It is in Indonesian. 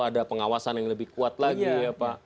ada pengawasan yang lebih kuat lagi ya pak